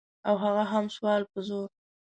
او هغه هم د سوال په زور.